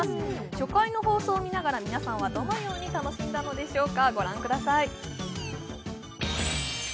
初回の放送を見ながら、皆さんはどのように楽しんだのでしょうか。